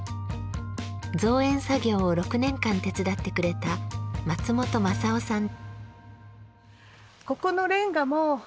造園作業を６年間手伝ってくれた松本雅夫さん。